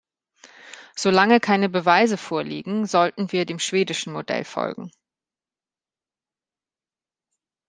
Solange keine Beweise vorliegen, sollten wir dem schwedischen Modell folgen.